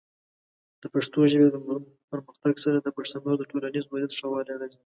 د پښتو ژبې د پرمختګ سره، د پښتنو د ټولنیز وضعیت ښه والی راځي.